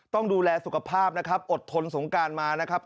ต้องดูแลสุขภาพนะครับอดทนสงการมานะครับ